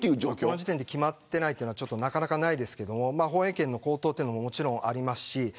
この時点で決まっていないというのは、なかなかないですが放映権の高騰というのもあります。